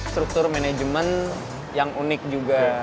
struktur manajemen yang unik juga